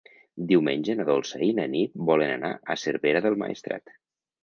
Diumenge na Dolça i na Nit volen anar a Cervera del Maestrat.